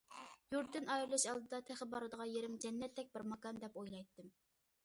يۇرتتىن ئايرىلىش ئالدىدا تېخى بارىدىغان يېرىم جەننەتتەك بىر ماكان دەپ ئويلايتتىم.